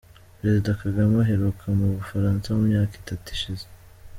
Perezida Kagame aheruka mu Bufaransa mu myaka itatu ishize.